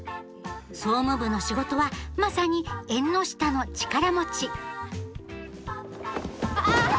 総務部の仕事はまさに縁の下の力持ちあ！